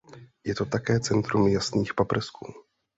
Je to také centrum jasných paprsků.